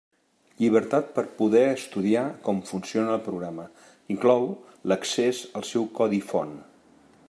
Llibertat per poder estudiar com funciona el programa; inclou l'accés al seu codi font.